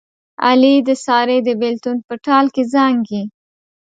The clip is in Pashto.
علي د سارې د بلېتون په ټال کې زانګي.